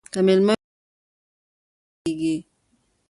که میلمه وي نو کور نه بې برکته کیږي.